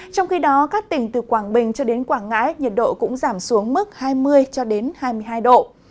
trong khi đó các tỉnh từ quảng bình cho đến quảng ngãi nhiệt độ cũng giảm xuống mức hai mươi hai mươi hai độ